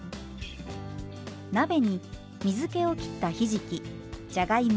鍋に水けをきったひじきじゃがいも